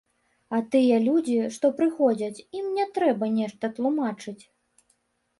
А тыя людзі, што прыходзяць, ім не трэба нешта тлумачыць.